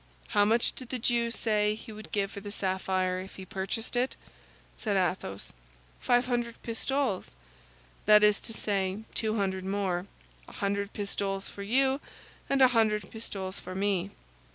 "How much did the Jew say he would give for the sapphire if he purchased it?" said Athos. "Five hundred pistoles." "That is to say, two hundred more—a hundred pistoles for you and a hundred pistoles for me.